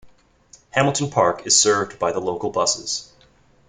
Hamilton Park is served by the local buses.